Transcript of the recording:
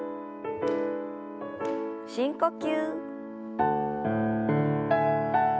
深呼吸。